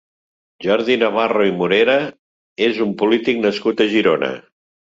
Jordi Navarro i Morera és un polític nascut a Girona.